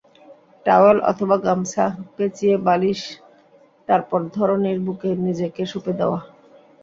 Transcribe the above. Towel অথবা গামছা পেঁচিয়ে বালিশ, তারপর ধরনীর বুকে নিজেকে সঁপে দেওয়া।